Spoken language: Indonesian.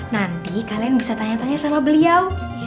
nanti kalian bisa tanya tanya sama beliau